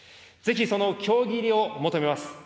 ぜひその協議入りを求めます。